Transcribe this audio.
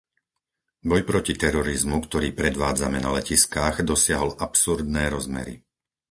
Boj proti terorizmu, ktorý predvádzame na letiskách, dosiahol absurdné rozmery.